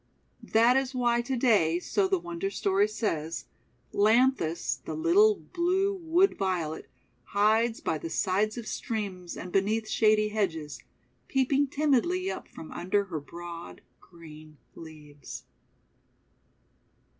That is why to day — so the Wonder Story says — lanthis, the little blue Wood Violet, hides by the sides of streams and beneath shady hedges, peeping timidly up from under her broad green leaves.